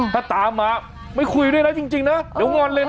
ถ้าตามมาไม่คุยด้วยนะจริงนะเดี๋ยวงอนเลยนะ